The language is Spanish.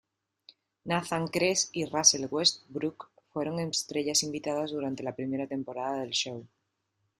Nathan Kress y Russell Westbrook fueron estrellas invitadas durante la primera temporada del show.